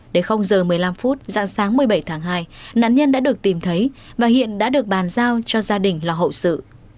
đến giờ một mươi năm phút dạng sáng một mươi bảy tháng hai nạn nhân đã được tìm thấy và hiện đã được bàn giao cho gia đình lo hậu sự